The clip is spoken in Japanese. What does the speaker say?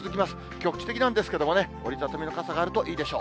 局地的なんですけれどもね、折り畳みの傘があるといいでしょう。